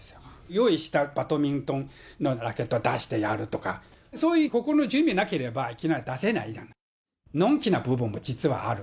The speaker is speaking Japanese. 用意したバドミントンのラケット出してやるとか、そういう心の準備がなければいきなり出せないじゃん。